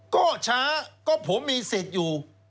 ก็ช้าก็ผมมีเสร็จอยู่